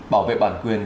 bảo vệ bản quyền